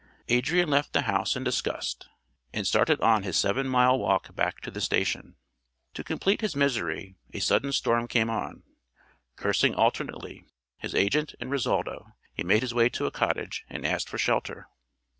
Adrian left the house in disgust and started on his seven mile walk back to the station. To complete his misery a sudden storm came on. Cursing alternately his agent and Risoldo, he made his way to a cottage and asked for shelter.